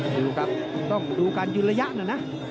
ดูครับต้องดูการยืนระยะนะนะ